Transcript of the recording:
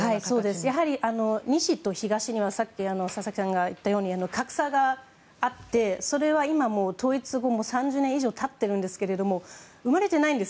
西と東には佐々木さんが言ったように格差があってそれは今も統一後も３０年以上経ってるんですけど生まれてないんです。